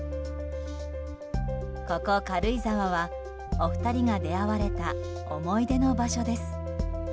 ここ軽井沢はお二人が出会われた思い出の場所です。